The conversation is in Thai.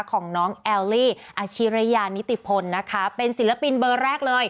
ของน้องแอลลี่อาชิริยานิติพลนะคะเป็นศิลปินเบอร์แรกเลย